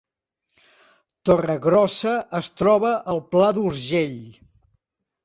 Torregrossa es troba al Pla d’Urgell